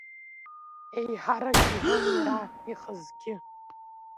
Еиҳарак иҳәон иара ихазгьы.